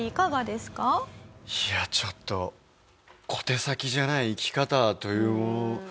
いやちょっと小手先じゃない生き方というもの。